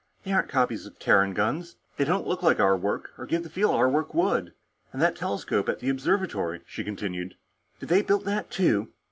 They aren't copies of Terran guns. They don't look like our work, or give you the feel our work would. And that telescope at the observatory," she continued. "Did they build that, too?"